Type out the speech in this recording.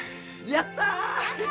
やった！